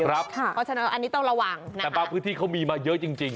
เพราะฉะนั้นอันนี้ต้องระวังนะแต่บางพื้นที่เขามีมาเยอะจริง